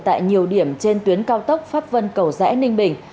tại nhiều điểm trên tuyến cao tốc pháp vân cầu rẽ ninh bình